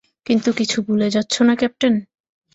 কিন্তু কিছু ভুলে যাচ্ছ না ক্যাপ্টেন?